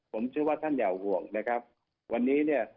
ผมเชื่อว่าท่านอย่าห่วงนะครับวันนี้เนี่ย